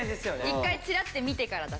一回チラッて見てからだ。